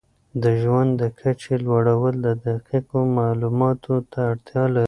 د ژوند د کچې لوړول دقیقو معلوماتو ته اړتیا لري.